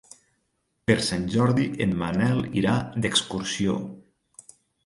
Per Sant Jordi en Manel irà d'excursió.